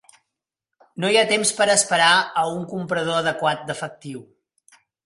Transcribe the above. No hi ha temps per a esperar a un comprador adequat d'efectiu.